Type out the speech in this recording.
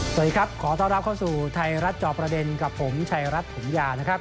สวัสดีครับขอต้อนรับเข้าสู่ไทยรัฐจอบประเด็นกับผมชัยรัฐถมยานะครับ